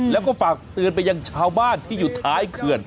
แล้วก็ฝากเตือนไปยังชาวบ้านที่อยู่ท้ายเขื่อน